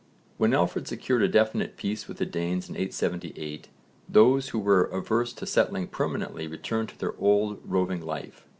When Alfred secured a definite peace with the Danes in 878, those who were averse to settling permanently returned to their old roving life.